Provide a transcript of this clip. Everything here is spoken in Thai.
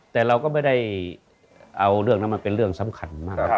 แต่เราก็ไม่ได้เอาเรื่องนั้นมาเป็นเรื่องสำคัญมาก